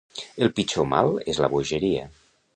El pitjor mal és la bogeria.